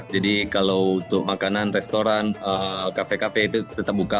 jadi kalau untuk makanan restoran kafe kafe itu tetap buka